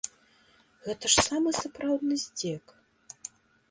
Гэта ж самы сапраўдны здзек!